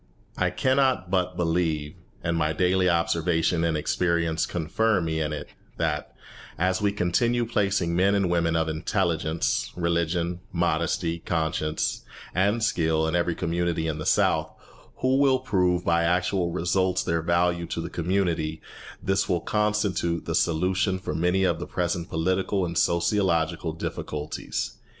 I cannot but believe, and my daily observation and experience confirm me in it, that, as we continue placing men and women of intelligence, religion, modesty, conscience, and skill in every community in the South, who will prove by actual results their value to the community, this will constitute the solution for many of the present political and sociological difficulties.